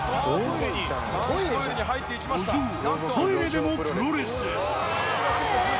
路上トイレでもプロレス。